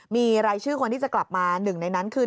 มีรายชื่อคนที่จะกลับมาหนึ่งในนั้นคือ